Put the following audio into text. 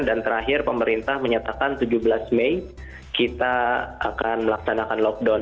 dan terakhir pemerintah menyatakan tujuh belas mei kita akan melaksanakan lockdown